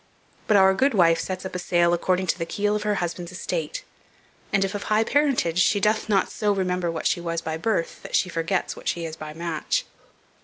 But our good wife sets up a sail according to the keel of her husband's estate; and, if of high parentage, she doth not so remember what she was by birth, that she forgets what she is by match.